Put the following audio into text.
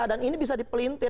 dan ini bisa dipelintir